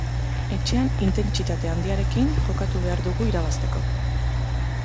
Etxean intentsitate handiarekin jokatu behar dugu irabazteko.